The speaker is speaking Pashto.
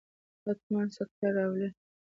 حتما سکته راولي.